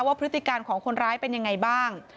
พฤติการของคนร้ายเป็นยังไงบ้าง